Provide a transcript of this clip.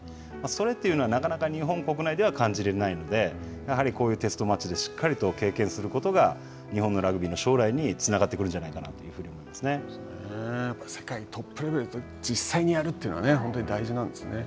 それというのはなかなか日本国内では感じれないので、やはりこういうテストマッチでしっかりと経験することが日本のラグビーの将来につながってくるんじゃないかと思やっぱり世界トップレベルと実際にやるというのは本当に大事なんですね。